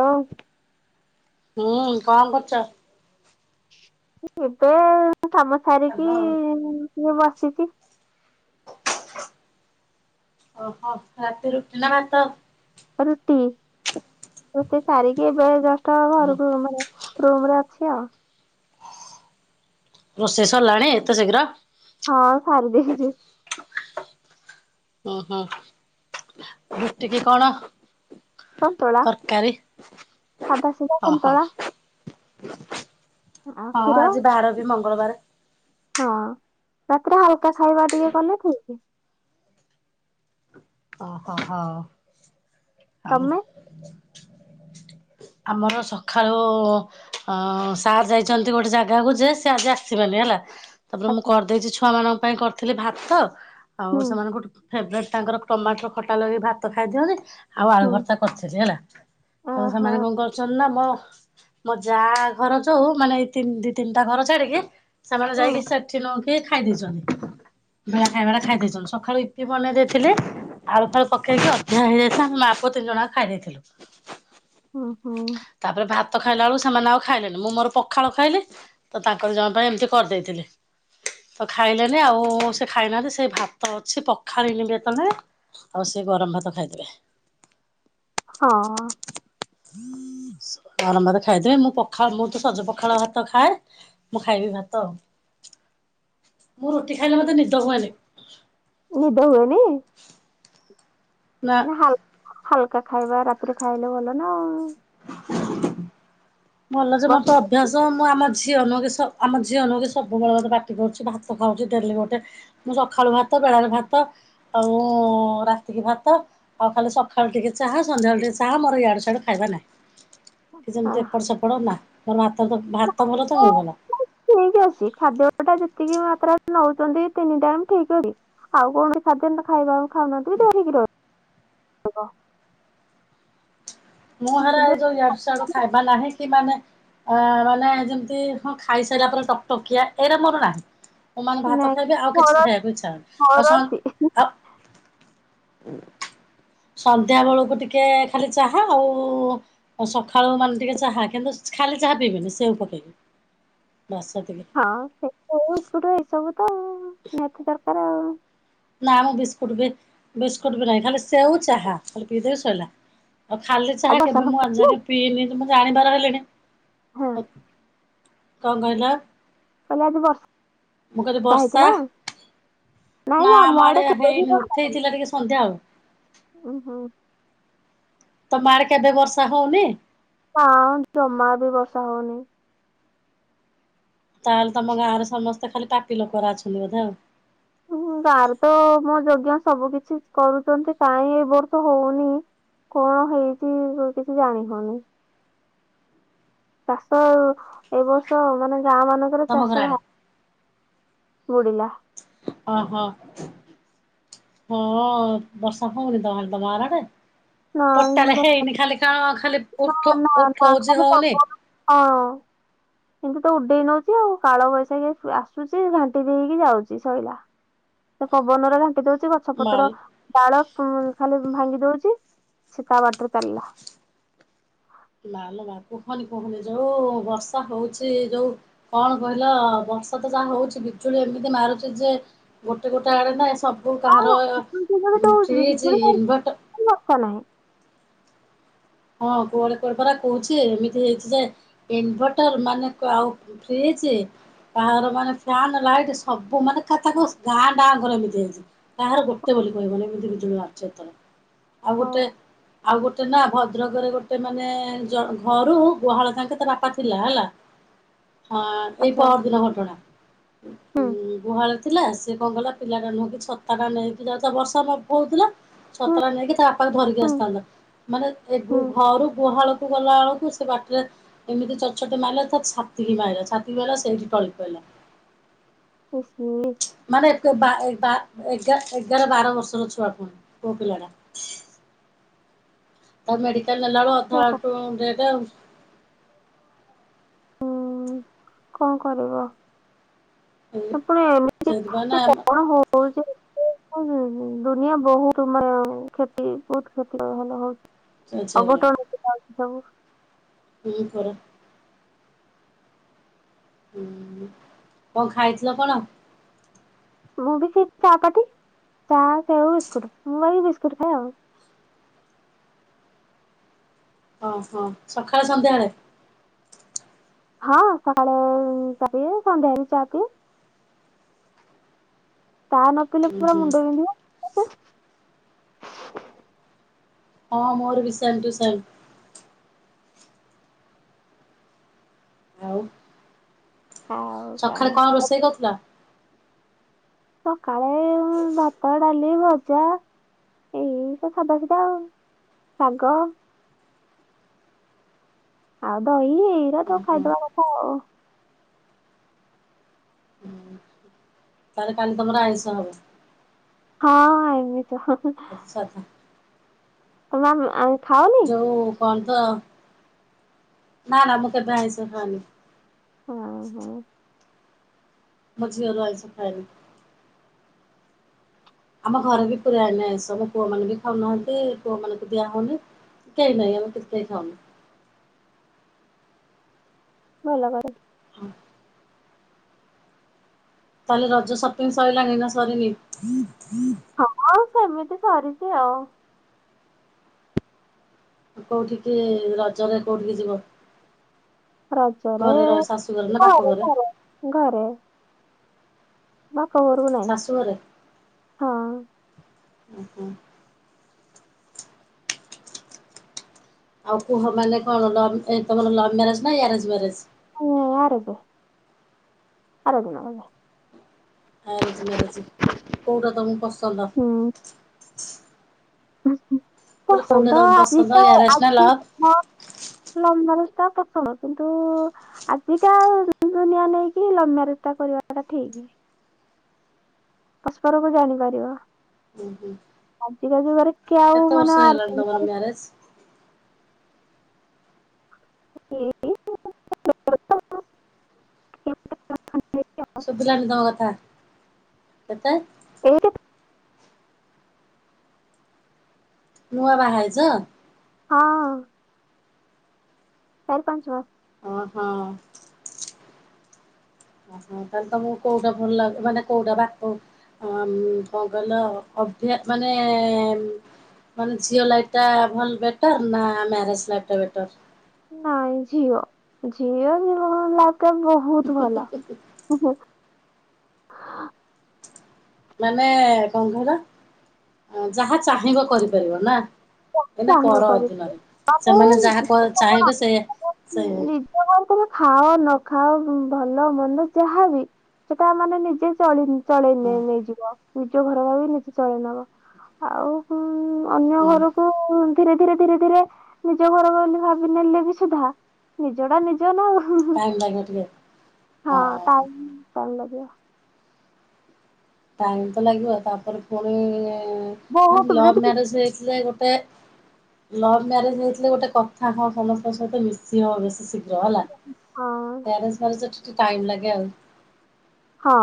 ହଁ। ହୁଁ କଣ କରୁଛ? ଏବେ ତ କାମ ସାରିକି ଟିକେ ବସିଛି। ଓହୋ ରାତିରେ ରୁଟି ନା ଭାତ? ରୁଟି ରୁଟି ସାରିକି ଏବେ ଜଷ୍ଟ ଘରକୁ ମାନେ ରୁମ ରେ ଅଛି ଆଉ। ରୋଷେଇ ସରିଲାଣି ଏତ ଶୀଘ୍ର। ହଁ ସାରିଦେଇଛି। ଓହୋ ଫିଟିକି କଣ? ସନ୍ତୁଳା ତରକାରୀ ସାଧା ସିଧା ଅ ହ। ସନ୍ତୁଳା ଆଉ ହଁ କ୍ଷୀର ଆଜି ବାର ବି ମଙ୍ଗଳବାରେ। ହଁ ରାତିରେ ହାଲକା ଖାଇବା ଟିକେ କଲେ ଠିକି। ଅହୋ ହୋ ଆଉ। ତମେ ଆମର ସଖାଳୁ। ଅ- ଅ ସାର୍ ଯାଇଛନ୍ତି ଗୋଟେ ଜାଗାକୁ ଯେ ସେ ଆଜି ଆସିବେନି ହେଲା। ତାପରେ ମୁଁ ଆଚ୍ଛା କରିଦେଇଛି ଛୁଆ ମାନଙ୍କ ପାଇଁ କରିଥିଲି ଭାତ ଆଉ ହୁଁ ସେମାନଙ୍କଠୁ ଫେବରାଇଟ୍ ତାଙ୍କର ଟମାଟର ଖଟା ଲାଗେଇକି ଭାତ ଖାଇଦିଅନ୍ତି। ଆଉ ଆଳୁ ହୁଁ ଭର୍ତା କରିଥିଲି ହେଲା ତାପରେ ଓହୋ ସେମାନେ କଣ କ ଆକ୍ଚୁଲି ନା ମୋ ମୋ ଯା ଘର ଯୋଉ ମାନେ ଏଇ ତିନି ଦି ତିନିଟା ଘର ଛାଡିକି। ସେମାନେ ହୁଁ ଯାଇକି ସେଠି ନୁହଁକି ଖାଇ ଦେଇଛନ୍ତି ବେଳା ଖାଇବାଟା ଖାଇ ଦେଇଛନ୍ତି ସଖାଳୁ ଇ ଇପି ବନେଇ ଦେଇଥିଲି। ଆଳୁ ଫାଳୁ ପକେଇକି ଅଧିକା ହେଇଯାଇଥିଲା ଆମ ମାଆ ପୁଅ ତିନି ଜଣ ଯାଙ୍କ ଖାଇ ଦେଇଥିଲୁ। ଓ ହୋ। ତାପରେ ଭାତ ଖାଇଲା ବୁଳୁ ସେମାନେ ଆଉ ଖାଇଲେନି ମୁଁ ମୋର ପଖାଳ ଖାଇଲି। ତ ତାଙ୍କ ଦିଜଣ ପାଇଁ ଏମିତି କରିଦେଇଥିଲି। ତ ଖାଇଲେନି ଆଉ ସେ ଖାଇନାହାନ୍ତି ସେ ଭାତ ଅଛି ପଖାଲିନି ବି ଏତେବେଳ ଯାଏଁ। ଆଉ ସେ ଗରମ ଭାତ ଖାଇଦେବେ। ହଁ। ଗରମ ଭାତ ଖାଇଦେବେ ମୁଁ ପଖାଳ ମୁଁ ତ ସଜ ପଖାଳ ଭାତ ଖାଏ। ମୁଁ ଖାଇବି ଭାତ ମୁଁ ରୁଟି ଖାଇଲେ ମତେ ନିଦ ହୁଏନି। ନିଦ ହୁଏନି। ନା ହାଲ୍ ହାଲକା ଖାଇବା ରାତିରେ ଖାଇଲେ ଭଲ ନା ଆଉ। ଭଲ ଯେ ମୋର ତ ବର୍ଷ ଅଭ୍ୟାସ ମୁଁ ଆମ ଝିଅ ନୁହେ କି ସ ଆମ ଝିଅ ନୁହେଁ କି ସବୁବେଳେ ମତେ ପାଟି କରୁଛି ଭାତ ଖାଉଛି ଡେଲି ଗୋଟେ। ମୁଁ ସକାଳୁ ଭାତ ବେଳାରେ ଭାତ ଆଉ ରାତିକି ଭାତ। ଆଉ ଖାଲି ସଖାଳୁ ଟିକେ ଚାହା ସନ୍ଧ୍ୟାବେଳେ ଟିକେ ଚାହା ମୋର ୟାଡୁ ସିଆଡୁ ଖାଇବା ନାହିଁ। କି ଯେମତି ଏପଟ ସେପଟ ନା, ମର ଭାତ ଭାତ ଭଲ ତ ମୁଁ ଭଲ। ସି ଖାଦ୍ୟ ଟା ଯେତିକି ମାତ୍ରାରେ ନେଉଛନ୍ତି, ତିନିଟା ଠିକ ଅଛି। ଆଉ କୌଣସି ଖାଦ୍ୟ ଖାଇବା ଆଉ। ଖାଉନାହାଁନ୍ତି ଦେହ ଠିକକ୍ ରହି ହବ। ମୁଁ ହେରା ଯୋଉ ୟାଡୁ ସିଆଡୁ ଖାଇବା ନାହିଁ କି ମାନେ। ଅ ମାନେ ଯେମିତି ହଁ ଖାଇସାରିଲା ପରେ ଟକଟକିଆ ଏଇରା ମୋର ନାହିଁ। ମୁଁ ମାନେ ଭାତ ନାଇଁ ଖାଇବି ଆଉ କିଛି ମୋର ଖାଇବାକୁ ଇଛା ହବନି ମୋର ଅଛି ଆଉ ସ ସନ୍ଧ୍ୟା ବେଳକୁ ଟିକେ ଖାଲି ଚା ହ ଆଉ ସକାଳୁ ମାନେ ଟିକେ ଚାହା। କିନ୍ତୁ ଖାଲି ଚାହା ପିଇବିନି ସେଉ ପକେଇକି ବାସ୍ ସେତିକି ହଁ ସେ ଏଇ ସବୁ ତ ନିହାତି ଦରକାର ଆଉ ନା ମୁଁ ବିସ୍କୁଟ ବି ବିସ୍କୁଟ ବି ନାହିଁ, ଖାଲି ସେଉ ଚାହା ଖାଲି ପିଇଦେବି ଶଇଲା। ଆଉ ଖାଲି ଚାହା ଆଜି ବର୍ଷା କେବେ ମୁଁ ଫର୍ଷା ଆଜି ହେଇଥିଲା ଯାଗେ ପିଇନି, ମୁଁ ଜାଣିବାର ହେଲିଣି। ହୁଁ। କଣ କହିଲ? ତାହାଲେ ବସ ମୁଁ କହିଲି ବର୍ଷା, ନାଇଁ ନା ଆମ ଆଡେ କେବେ ବି ହେଇନି ବର୍ଷା ଉଠେଇଥିଲା ଟିକେ ସନ୍ଧ୍ୟାଆଳୁ ଉଁ ହୁଁ। ତମଆଡେ କେବେ ବର୍ଷା ହଉନି? ନା ଜମା ବି ବର୍ଷା ହଉନି। ତାହେଲେ ତମ ଗାଁରେ, ସମସ୍ତେ ଖାଲି ପାପି ଲୋକଗୁରା ଅଛନ୍ତି ବୋଧେ ଆଉ ହୁଁ ଗାଁରେ ତ ହୋମ ଯଜ୍ଞ ସବୁ କିଛି କରୁଛନ୍ତି, କାହିଁଁ ଏ ବର୍ଷ ହଉନି କଣ ହେଇଛି ଓ କିଛି ଜାଣି ହଉନି? ଚାଷ ଏ ବର୍ଷ ମାନେ ଗାଁ ମାନଙ୍କରେ ତମ ଘର ଚାଷ ଆଡେ ବା ବୁଡ଼ିଲା। ଅ ହ। ହଁ ବର୍ଷା ହଉନି ତାହାଲେ ତମ ଆଡେ। ନାଇଁ ବର୍ଷା ବ- ହେଇନି ଖାଲି କା ନା ନା ନା [inaudible] ହଁ। କିନ୍ତୁ ତ ଉଡେଇ ନଉଛି ଆଉ କାଳ ବୈଶାଖୀ ଆସୁଛି ଘାଣ୍ଟି ଦେଇକି ଯାଉଛି ସଇଲା। ସେ ପବନରେ ଘାଣ୍ଟି ଦଉଛି ବ ମାଲ ଗଛପତ୍ର ଡାଳ ଖାଲି ଭାଙ୍ଗି ଦଉଛି ସେ ତା ବାଟରେ ଚାଲିଲା। ନାଲୋ ମା କୁହନି କୁହନି ଯୋଉ ବର୍ଷା ହଉଛି ଯୋଉ କଣ କହିଲ ବର୍ଷା ତ ଯାହା ହଉଛି ବିଜୁଳି ଏମିତି ମାରୁଛି ଯେ ଗୋଟେ ଗୋଟେ ଆଡେ ନା ଏ ସବୁ ହଁ କାହାର ବିଜୁଳି ଫ୍ରିଜ ଇନଭଟ ଲୋକ ନାହିଁ। ହଁ କୁଆଡେ କୋଆଡେ ପରା କହୁଛି ଏମିତି ହେଇଛି ଯେ ଇନଭଟର ମାନେ ଆଉ ଫ୍ରିଜ। କାହାର ମାନେ ଫ୍ୟାନ ଲାଇଟ ସବୁ ମାନେ ଗାଁ ଡାଁ ଖରାପ ହେଇଯାଇଛି। କାହାର ଗୋଟେ ବୋଲି କହିବନି ଏମିତି ବିଜୁଳି ମରୁଛି ଏଥର ଆଉ ହଉ ଗୋଟେ ଆଉ ଗୋଟେ ନା ଭଦ୍ରକରେ ଗୋଟେ ମାନେ ଘରୁ ଗୁହାଳ ଯାଙ୍କେ ତାର ବାପା ଥିଲା ହେଲା ହଁ ଏଇ ଆଚ୍ଛା ପରଦିନ ଘଟଣା। ହୁଁ। ଉଁ ଗୁହାଳ ଥିଲା ସେଏ କଣ କଲା ପିଲାଟା ନୁହଁକି ଛତାଟା ନେଇକି ଯାଉଥିଲା ବର୍ଷା ପକଉଥିଲା ହୁଁ ଛତାଟା ନେଇକି ତା ବାପାକୁ ଧରିକି ହୁଁ ଆସିଥାନ୍ତା। ମାନେ ଏ ହୁଁ ଘରୁ ଗୁହାଳକୁ ଗଲାବେଳକୁ ସେ ବାଟରେ ଏମିତି ଚଟଛଟି ମାରିଲା ତା ଛାତି କି ମାଇଲା ଛାତି କି ମାଇଲା ସେଇଠି ଟଳିି ପଇଲା। ଉନ୍ ହୁଁ। ମାନେ ବା ବା ଏଗା ଏଗାର ବାର ବର୍ଷର ଛୁଆ ପୁଣି ପୁଅ ପିଲାଟା? ତାକୁ ମେଡିକାଲ ନେଲାବେଳକୁ କଣ କ- ଅଧା ବାଟରୁ ଡେଥ ଆଉ ହୁଁ, କଣ କରିବ ଏପଟେ ଏମିତି ସେଇଥିପାଇଁ ନା ପବନ ହଉ ହଉଚି ଏତେ ହ ହ ଦୁନିଆ ବହୁତ ମାନେ କ୍ଷତି ବହୁତ କ୍ଷତି ଭଲ ହଉଛି। ଚେଞ୍ଜ ହେଇଗଲାଣି ଅଘଟଣ ହଉଚି ସବୁ ହୁଁ ପରା ହୁଁ କଣ ଖାଇଥିଲ କଣ? ମୁଁ ବି ସେଇ ଚା ପାଟି ଚା ସେଉ ବିସ୍କୁଟ ମୁଁ ଏଇ ବିସ୍କୁଟ ଖାଏ ଆଉ। ଓ ହୋ ସକାଳେ ସନ୍ଧ୍ୟାବେଳେ। ହଁ ସକାଳେ ଚା ପିଏ ସନ୍ଧ୍ୟା ବି ଚା ପିଏ। ତା ନ ପିଲେ ହୁଁ ପୁରା ହୁଁ ମୁଣ୍ଡ ପିନ୍ଧିବ। ହଁ ମୋର ବି ସେମ୍ ଟୁ ସେମ୍। ଆଉ। ସକାଳେ କଣ ରୋଷେଇ କରିଥିଲ। ସକାଳେ ଏ ଭାତ ଡାଲି ଭ ଜା ଏଇସବୁ ସାଦା ସିଦା ଆଉ ଶାଗ। ଆଉ ଦହି ଏଇରା ହୁଁ ତ ହୁଁ ଖାଇଦବା କଥା ଆଉ। ହୁଁ ତାହେଲେ କାଲି ତମର ଆଇଷ ହବ। ହଁ ଆଇଁମିସ। ଆଚ୍ଛା ଆଚ୍ଛା। ତ ମ୍ୟାାମ [unintelligible] ଯୋଉ କଣ ତ ନା ନା ମୁଁ କେବେ ଆଇଷ ଖାଏନି। ହଁ ହଁ। ମୁ ଝିଅ ର ଆମିଷ ଖାଏନି। ଆମ ଘରେ ବି ପୁରାଏନି ଆଇଁଷ ମୋ ପୁଅ ମାନ ବି ଖାଉନାହାନ୍ତି ପୁଅ ମାନଙ୍କୁ ଦିଆ ହଉନେଇ। କେଇ ନାହିଁ ଆମେ କେଇ ଖାଉନୋଉ। ଭଲ ଘର। ହଁ। ତାହେଲେ ରଜ ସପିଙ୍ଗ ସରିଲାଣି ନା ସରିନି। ହଁ ସେମିତି ସରିଛି ଆଉ। କୋଉଠିକି ରଜରେ କୋଉଠିକି ଯିବ। ରାଜରେ ଘରେ ରହି ଶାଶୁଘରେ ନା ବାପ ଗାଁରେ ଘରେ ଘରେ। ବାପ ଘରକୁ ନାଇଁ ଶାଶୁଘରେ ହଁ ଓ ହ। ଆଉ କୁହ ମାନେ କଣ ଲ ତମର ଲଭ ମ୍ୟାରେଜ ନା arrange marriage. [unintelligible] Orange marriage. Arrange marriage କୋଉଟା ତମକୁ ପସନ୍ଦ। ଉଁ। କହିଲି କୋଉଟା ପସନ୍ଦ ତମକୁ ଆଜି ପସନ୍ଦ ତ ମ୍ୟାରେଜ୍ ନା ଆଜି ଲଭ୍? ହଁ। ଲଭ୍ ମ୍ୟାରେଜ୍ ଟା ପସନ୍ଦ କିନ୍ତୁ ଆଜିକା ଦୁନିଆ ନେଇକି ଲଭ ମ୍ୟାରେଜଟା କରିବାଟା ଠିକ୍। ପରସ୍ପରକୁ ଜାଣିପାରିବ ଆଜିକା ଯୁଗରେ କିଏ ଆଉ ମାନେ କେତେବର୍ଷ ଆର- ହେଲାଣି ତମର ମ୍ୟାରେଜ୍। [unintelligible] ଶୁଭିଲାନି ତମ କଥା କେତେ। ଏଇ ନୂଆ ବାହା ହେଇଚ। ହଁ। ଚାରି ପାଞ୍ଚ ମାସ ଅ ହଁ। ଓହୋ ତାହେଲେ ତମକୁ କୋଉଟା ଭଲ ଲାଗେ ମାନେ କୋଉଟା ବାପ ହ କଣ କହିଲ ଅଭ୍ୟା ମାନେ ମାନେ ଝିଅ ଲାଇଫଟା ଭଲ ବେଟର ନା ମ୍ୟାରେଜ ଲାଇଫଟା ବେଟର। ନାଇଁ ଝିଅ ଝିଅ ଲାଇଫଟା ବହୁତ ଭଲ। [inaudible] ମାନେ କଣ କହିଲ ଯାହା ଚାହିଁବ କରିପାରିବ ନା? ଏଇନା ଚାହିଁବ ପର କରିବ ଅଧିନରେ, ଆଉ ସେମାନେ ଯାହା କ ଚାହିଁବେ ସେଇଆ ସେ ବାପଘରେ ତୁମେ ଖାଅ ନ ଖାଅ ଭଲ ମନ୍ଦ ଯାହାବି। ସେଟା ମାନେ ନିଜେ ଚଳି ଚଳେଇ ହଁ ନେଇଯିବ ନିଜ ଘର ଭାବିକି ନିଜେ ଚଳେଇ ନବ। ଆଉ ଅନ୍ୟ ହୁଁ ଘରକୁ ଧୀରେ ଧୀରେ ଧୀରେ ଧୀରେ ନିଜ ଘର ବୋଲି ଭାବିନେଲେ ବି ସୁଧା। ନିଜଟା ନିଜର ନାଉ ହଁ ଟାଇମ୍ ଲାଗିବ ଟିକେ ହଁ ଟାଇମ୍ ଲାଗିବ। ଟାଇମ୍ ତ ଲାଗିବ ତାପରେ ପୁଣି ମାନେ ବହୁତ ଲଭ ଯଦି ମ୍ୟାରେଜ ହେଇଥିଲେ ଗୋଟେ ଲଭ୍ ମ୍ୟାରେଜ ହେଇଥିଲେ ଗୋଟେ କଥା ହଁ ସମସ୍ତଙ୍କ ସହିତ ମିଶି ହବ ବେଶୀ ଶି ଯଅ ହେଲା, ହଁ ଆରଞ୍ଜ ମ୍ୟାରେଜ ଟି ଟିକେ ଟାଇମ୍ ଲାଗେ ଆଉ। ହଁ।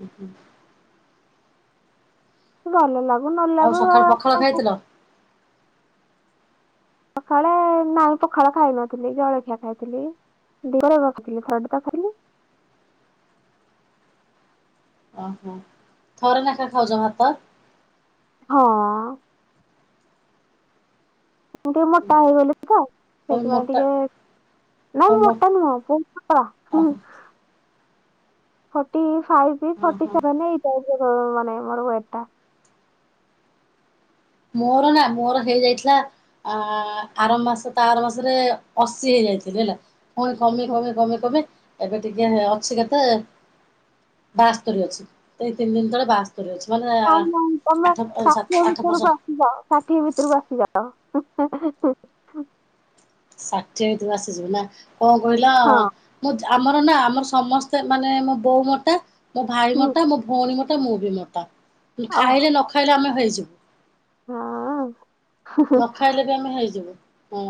ହୁଁ ହୁଁ ଭଲ ଲାଗୁ ନ ଆଉ ଲାଗୁ ସକାଳୁ ପଖାଳ ଆଉ। ଖାଇଥିଲ ସଖାଳେ ନାଇଁ ପଖାଳ ଖାଇ ନଥିଲି ଜଳଖିଆ ଖାଇଥିଲି, ଦେହରେ ରଖଥିଲି ଖରାଠି ତ ଖାଇଲି। ଓହୋ ଥରେ ନେଖା ଖାଉଛ ଭାତ? ହଁ। ମୁଁ ଟିକେ ମୋଟା ହେଇଗଲି ତ, ତମେ ସେଇଥିପାଇଁ ମୋଟା ଟିକେ ନା ମୁଁ ତମ ମୋଟା ନୁହଁ ବହୁତ ପତଳା, ହୁଁ। ଓହୋ ଫଟି ଫାଇଭ ହଁ ଫଟି ହଁ ସେଭେନ ଏଇ ଟାଇପ୍ ର ମାନେ ମୋର ୱେଟ୍ ଟା। ମୋର ନା ମୋର ହେଇଯାଇଥିଲା ଆ ଆର ମାସ ତା ଆର ମାସରେ ଅଶୀ ହେଇଯାଇଥିଲି ହେଲା। ପୁଣି କମି କମି କମି କମି ଏବେ ଟିକେ ଅଛି କେତେ ବାସ୍ତରୀ ଅଛି, ଏଇ ତିନି ଦିନ ତଳେ ବାସ୍ତ ମାନେ ନାଇଁ ଆଠ ସାତ ଆଠ ବର୍ଷ। ଯ ଷାଠିଏ ଭିତରକୁ ଆସିଗଲ। ଷାଠିଏ ଭିତରକୁ ଆସିଯିବ ନା କଣ କହିଲ ହଁ ମୁଁ ଆମର ନା ଆମର ସମସ୍ତେ ମାନେ ମୋ ବୋଉ ମୋଟା ମୋ ଭାଇ ହୁଁ ମୋଟା ମୋ ଭଉଣୀ ମୋଟା ମୁଁ ବି ମୋଟା, ଓ ଖାଇଲେ ନ ଖାଇଲେ ଆମେ ହେଇଯିବୁ। ହଁ। ନ ଖାଇଲେ ବି ଆମେ ହେଇଯିବୁ, ହଁ।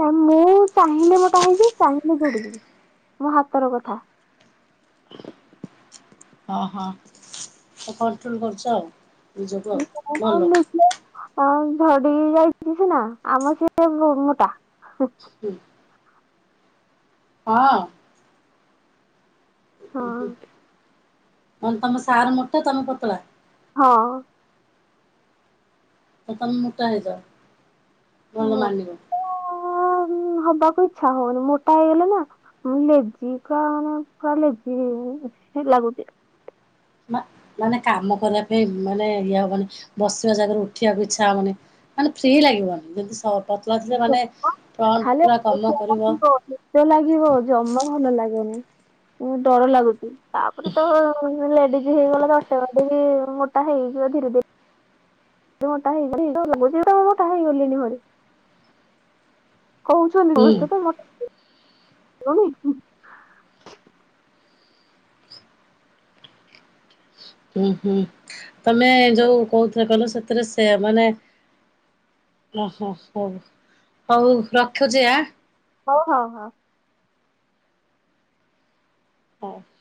ନାଇଁ ମୁଁ ଚାହିଁଲେ ମୋଟା ହେଇଯିବି, ଚାହିଁଲେ ଝଡିଯିବି, ମୋ ହାତର କଥା। ହଁ ହଁ ତ କଣ୍ଟ୍ରୋଲ କରୁଛ ଆଉ। ବୁଝିଲ ଆଉ ଭଲ। ଝଡ଼ି ଯାଇଛି ସିନା ଆମ ସିଏ ମୋଟା ହୁଁ। ହଁ। ହଁ ଉ ହୁ ମାନେ ତମ ସାର ମୋଟା ତମ ପତଳା? ହଁ। ତ ତମେ ମୋଟା ହେଇଯାଅ। ଭଲ ମାନିବ। ମୋଟା ହବାକୁ ଇଚ୍ଛା ହଉନି, ମୋଟା ହେଇଗଲେ ନା ମୁଁ ଲେଜି କ ମାନେ ଲେଜି ହେଇଯିବି ଲାଗୁଛି। ମ ମାନେ କାମ କରିବା ପାଇଁ ମାନେ ଇଏ ହବନି ମାନେ ବସିବା ଜାଗାରେ ଉଠିବାକୁ ଇଚ୍ଛା ହବନି। ମାନେ ଫ୍ରି ଲାଗିବନି ଯେମିତି ପତଳା ଥିଲେ ମାନେ ଜମା ଫଣ୍ଟ ଖାଲି ପୁରା କାମ ଅଳସୁଆ କରିବ। ଲାଗିବ ଲାଗିବ ଜମା ଭଲ ଲାଗୁନି, ଡର ଲାଗୁଛି ତାପରେ ତ ଲେଡିଜ୍ ହେଇଗଲା ଦଶବାଡ଼ି ବି ମୋଟା ହେଇଯିବ ଧୀରେ ଧୀରେ। ମୋଟା ହେଇଗଲି ହେଇଗଲି ଲାଗୁଛି ତ ମୋଟା ହେଇଗଲିଣି ଭଳି। କହୁଛନ୍ତି ହୁଁ ମତେ ତ ବେଶି ହୁଁ ହୁଁ ତମେ ଯୋଉ କହୁଥିଲ କହିଲ ସେଥିରେ ସେ ମାନେ ଓହୋ ହଉ, ହଉ ରଖୁଛି ଆ। ହଉ ହଁ ହଁ। [unintelligible]